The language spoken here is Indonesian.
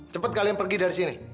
cepat kalian pergi dari sini